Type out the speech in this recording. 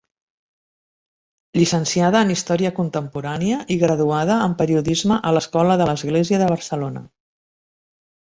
Llicenciada en Història Contemporània i graduada en Periodisme a l'Escola de l'Església de Barcelona.